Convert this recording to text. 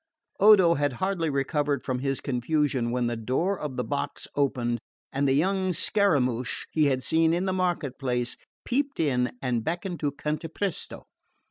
Odo had hardly recovered from his confusion when the door of the box opened and the young Scaramouch he had seen in the market place peeped in and beckoned to Cantapresto.